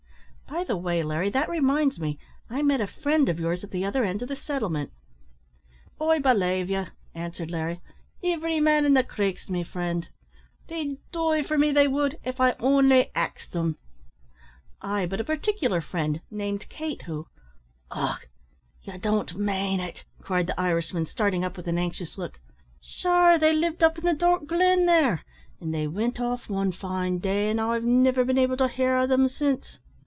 "By the way, Larry, that reminds me I met a friend o' yours at the other end of the settlement." "I belave ye," answered Larry; "ivery man in the Creek's my fri'nd. They'd die for me, they would, av I only axed them." "Ay, but a particular friend, named Kate, who " "Och! ye don't mane it!" cried the Irishman, starting up with an anxious look. "Sure they lived up in the dark glen there; and they wint off wan fine day, an' I've niver been able to hear o' them since."